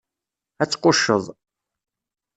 Ad tqucceḍ!